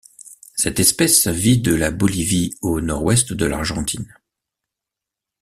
Cette espèce vit de la Bolivie au Nord-Ouest de l'Argentine.